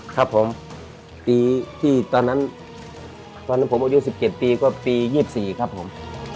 ครับผมปีที่ตอนนั้นตอนนั้นผมอายุ๑๗ปีก็ปี๒๔ครับผม